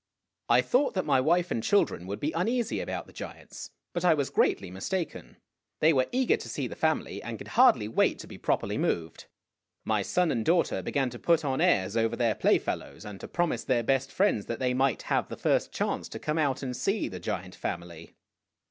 I thought that my wife and children would be uneasy about the giants, but I was greatly mistaken. They were eager to see the family, and could hardly wait to be properly moved. My son and daughter began to put on airs over their playfellows, and to promise their best friends that they might have the first chance to come out and see the giant family.